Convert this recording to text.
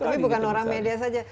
tapi bukan orang media saja